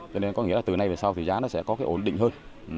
cho nên có nghĩa là từ nay về sau thì giá nó sẽ có cái ổn định hơn